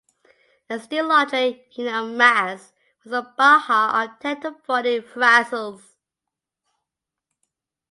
A still larger unit of mass was the "bahar", of ten to forty "frazils".